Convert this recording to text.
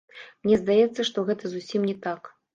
Мне здаецца, што гэта зусім не так.